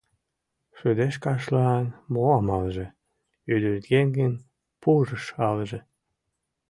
«Шыдешкашлан мо амалже?» Ӱдыръеҥын пурыш алже.